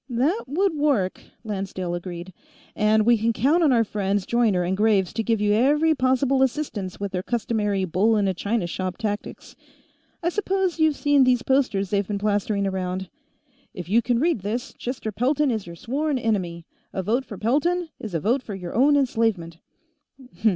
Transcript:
"That would work," Lancedale agreed. "And we can count on our friends Joyner and Graves to give you every possible assistance with their customary bull in a china shop tactics. I suppose you've seen these posters they've been plastering around: _If you can read this, Chester Pelton is your sworn enemy! A vote for Pelton is a vote for your own enslavement!